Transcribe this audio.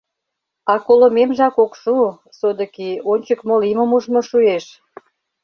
А колымемжак ок шу, содыки, ончык мо лиймым ужмо шуэш.